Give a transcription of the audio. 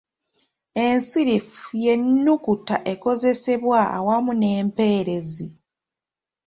‘Ensirifu y'ennukuta ekozesebwa awamu n'empeerezi.